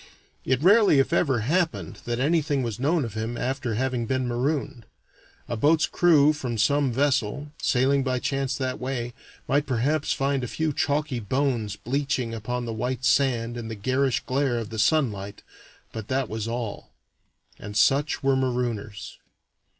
It rarely if ever happened that anything was known of him after having been marooned. A boat's crew from some vessel, sailing by chance that way, might perhaps find a few chalky bones bleaching upon the white sand in the garish glare of the sunlight, but that was all. And such were marooners.